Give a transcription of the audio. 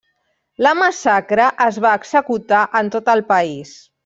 La massacre es va executar en tot el país.